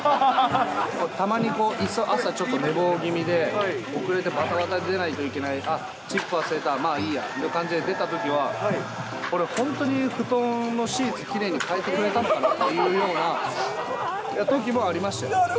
たまにこう、朝ちょっと、寝坊気味で、遅れてばたばた出ないといけない、あっ、チップ忘れた、まあいいやって感じで出たときは、これ、本当に布団のシーツきれいに替えてくれたのかっていうようなときなるほど。